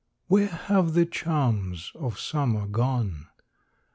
Where have the charms of summer gone?